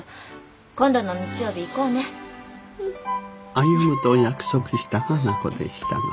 歩と約束した花子でしたが。